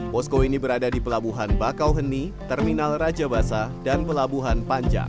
posko ini berada di pelabuhan bakauheni terminal raja basah dan pelabuhan panjang